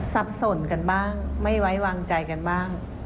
สับสนกันบ้างไม่ไว้วางใจกันบ้าง